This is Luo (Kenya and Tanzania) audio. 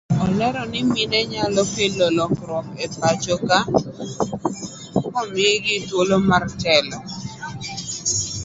Olero ni mine nyalo kelo lokruok e pachoka ka omigi thuolo mar telo.